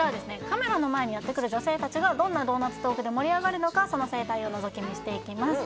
カメラの前にやって来る女性達がどんなドーナツトークで盛り上がるのかその生態をのぞき見していきます